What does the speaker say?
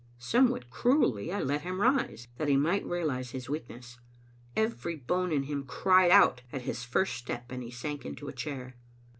Somewhat cruelly I let him rise, that he might realize his weakness. Every bone in him cried out at his first step, and he sank into a chair.